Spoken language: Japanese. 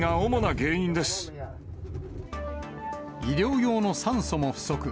医療用の酸素も不足。